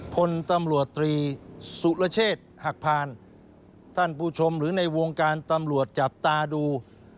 พลตำรวจตรีสุรเชษฐ์หักพานท่านผู้ชมหรือในวงการตำรวจจับตาดู